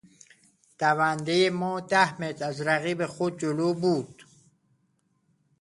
دوندهی ما ده متر از رقیب خود جلو بود.